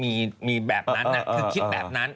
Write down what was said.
มีแบบนั้นคือคิดแบบนั้น